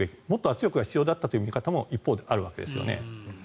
もっと圧力が必要だったという見方も一方であるわけですね。